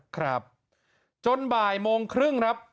ครับจนบ่ายโมงครึ่งครับ